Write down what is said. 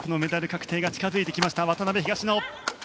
確定が近づいてきました渡辺、東野。